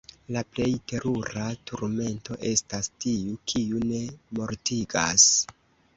La plej terura turmento estas tiu, kiu ne mortigas!